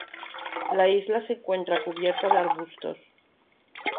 La isla se encuentra cubierta de arbustos.